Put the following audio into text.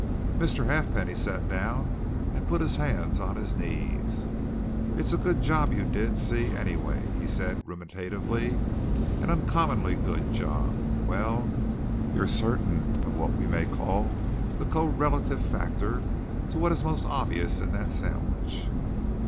Mr. Halfpenny sat down and put his hands on his knees. "It's a good job you did see, anyway," he said, ruminatively; "an uncommonly good job. Well you're certain of what we may call the co relative factor to what is most obvious in that sandwich?"